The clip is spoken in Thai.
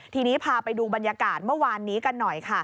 ทีนี้พาไปดูบรรยากาศเมื่อวานนี้กันหน่อยค่ะ